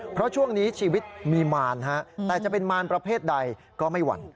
เพราะช่วงนี้ชีวิตมีมารแต่จะเป็นมารประเภทใดก็ไม่หวั่น